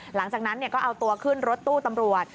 หลังจากนั้นก็เอาตัวขึ้นรถตู้ตำรวจ